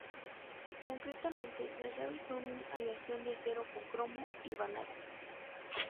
Concretamente, las llaves son un aleación de acero con cromo y vanadio.